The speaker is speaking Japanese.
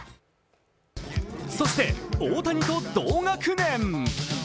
そして大谷と同学年。